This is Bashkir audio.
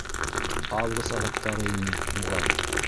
Август аҙаҡтары ине, буғай.